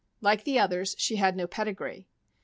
Like the others, she had no pedigree.